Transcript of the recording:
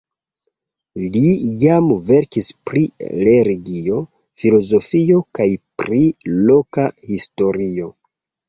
Li jam verkis pri religio, filozofio kaj pri loka historio.